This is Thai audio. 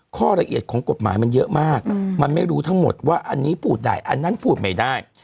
ข้อละเอียดของกฎหมายมันเยอะมากมันไม่รู้ทั้งหมดว่าอันนี้พูดได้อันนั้นพูดไม่ได้